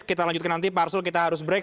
kita lanjutkan nanti pak arsul kita harus break